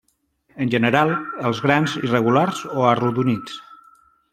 En general, els grans irregulars o arrodonits.